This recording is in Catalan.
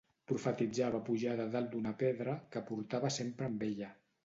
Profetitzava pujada dalt d'una pedra que portava sempre amb ella.